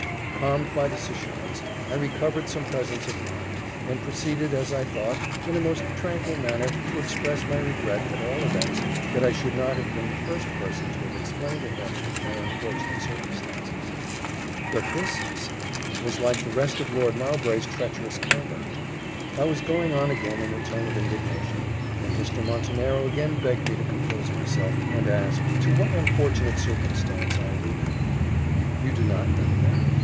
Calmed by this assurance, I recovered some presence of mind, and proceeded, as I thought, in a most tranquil manner to express my regret, at all events, that I should not have been the first person to have explained to him my unfortunate circumstances. "But this," I said, "was like the rest of Lord Mowbray's treacherous conduct." I was going on again in a tone of indignation, when Mr. Montenero again begged me to compose myself, and asked "to what unfortunate circumstances I alluded?" "You do not know then?